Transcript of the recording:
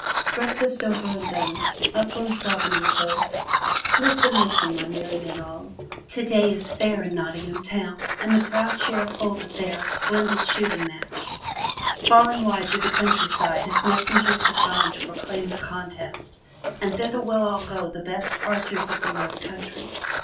^^ Breakfast over and done, up rose Robin Hood and quoth: "Lith and listen, my merry men all. Today is the fair in Not tingham town and the proud Sheriff holdeth there a splendid shooting match. Far and wide through the countryside his messengers have gone to proclaim the contest and thither will go all the best archers of the North Country.